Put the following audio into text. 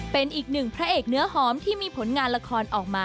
เป็นอีกหนึ่งพระเอกเนื้อหอมที่มีผลงานละครออกมา